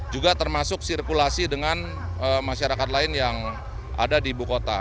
juga termasuk sirkulasi dengan masyarakat lain yang ada di ibu kota